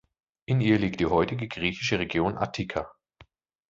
In ihr liegt die heutige griechische Region Attika.